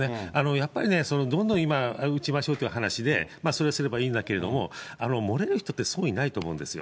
やっぱりね、それ、どんどん今打ちましょうっていう話で、それはすればいいんだけど、漏れる人ってそうはいないと思うんですよ。